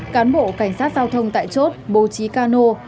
cán bộ cảnh sát giao thông tại chốt bố trí cano